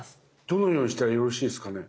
どのようにしたらよろしいですかね？